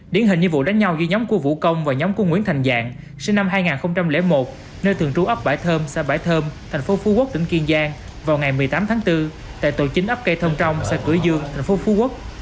điển hình như vụ đánh nhau ghi nhóm của vũ công và nhóm của nguyễn thành dạng sinh năm hai nghìn một nơi thường trú ấp bảy thơm xã bãi thơm thành phố phú quốc tỉnh kiên giang vào ngày một mươi tám tháng bốn tại tổ chính ấp cây thông trong xã cửa dương tp phú quốc